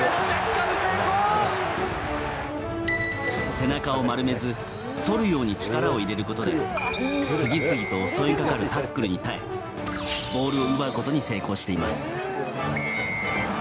背中を丸めず反るように力を入れることで次々と襲いかかるタックルに耐えボールを奪うことに成功しています。